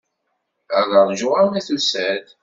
Ad ṛjuɣ arma tusa-d.